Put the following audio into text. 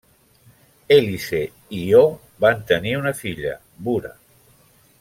Hèlice i Ió van tenir una filla, Bura.